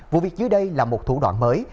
vụ việc dưới đây là một thủ đoạn mới